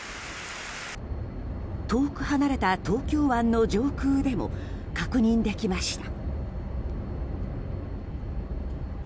遠く離れた東京湾の上空でも確認できました。